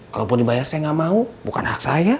kalaupun dibayar saya nggak mau bukan hak saya